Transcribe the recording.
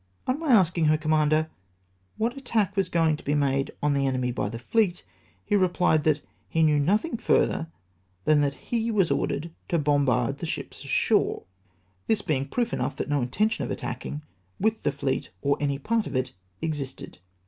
On my asking her commander, " what attach was going to be made on the enemy by the fleet? '" he replied, that " he knew nothing further than that he was ordered to bombard the sliips ashore." This was proof enough that no intention of attacking with the fleet, or any part of it, existed.